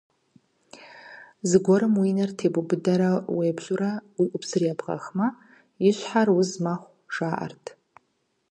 Зыгуэрым уи нэр тебубыдэрэ уеплъурэ уи ӏупсыр ебгъэхмэ, и щхьэр уз мэхъу, жаӏэрт.